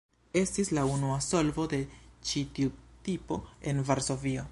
Estis la unua solvo de ĉi tiu tipo en Varsovio.